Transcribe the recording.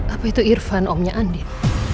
apa itu irfan omnya andin